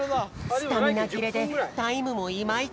スタミナぎれでタイムもいまいち。